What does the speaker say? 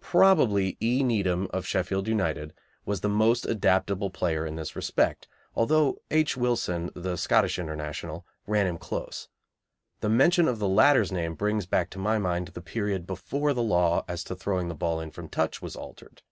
Probably E. Needham, of Sheffield United, was the most adaptable player in this respect, although H. Wilson, the Scottish International, ran him close. The mention of the latter's name brings back to my mind the period before the law as to throwing in the ball from touch was altered.